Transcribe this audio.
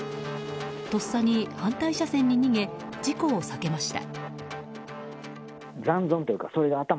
とっさに反対車線に逃げ事故を避けました。